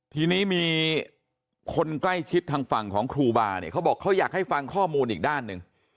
ทีนี้มีคนใกล้ชิดทางฝั่งของครูบาเนี่ยเขาบอกเขาอยากให้ฟังข้อมูลอีกด้านหนึ่ง